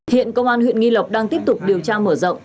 hiện công an huyện nghi lộc đang tiếp tục điều tra mở rộng